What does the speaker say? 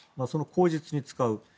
その口実に使う。